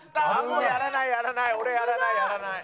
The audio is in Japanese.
もうやらないやらない。